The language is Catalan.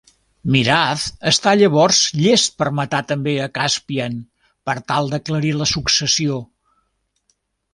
Miraz està llavors llest per matar també a Caspian, per tal d'aclarir la successió.